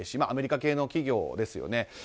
アメリカ系の企業ですよね。